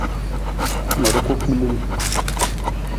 Ma ruku gbilung.